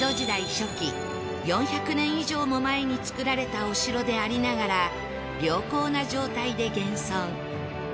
初期４００年以上も前に造られたお城でありながら良好な状態で現存